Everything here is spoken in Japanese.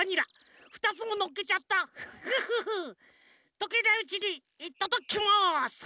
とけないうちにいっただきます！